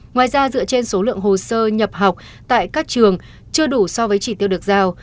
ngoài ra dựa trên số lượng hồ sơ nhập học tại các trường chưa đủ so với chỉ tiêu được giao